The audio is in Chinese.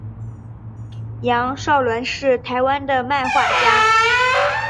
杨邵伦是台湾的漫画家。